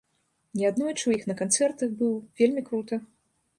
Неаднойчы ў іх на канцэртах быў, вельмі крута.